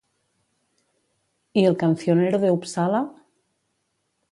I El Cancionero de Uppsala?